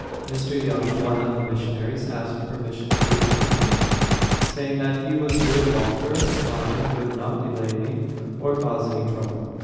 Mr. Young, one of the missionaries, asked permission to accompany me, saying that he was a good walker and climber and would not delay me or cause any trouble.